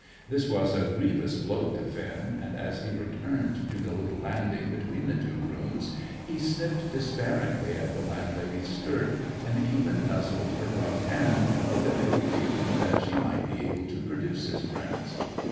This was a grievous blow to Finn, and as he returned to the little landing between the two rooms, he sniffed despairingly at the landlady's skirt, and even nuzzled her rough hand, with a vague feeling that she might be able to produce his friends.